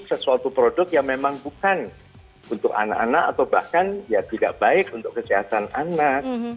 sesuatu produk yang memang bukan untuk anak anak atau bahkan ya tidak baik untuk kesehatan anak